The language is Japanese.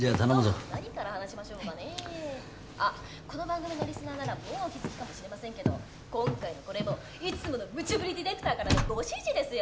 「あっこの番組のリスナーならもうお気づきかもしれませんけど今回のこれもいつものむちゃ振りディレクターからのご指示ですよ」